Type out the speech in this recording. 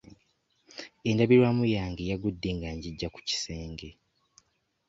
Endabirwamu yange yagudde nga ngiggya ku kisenge.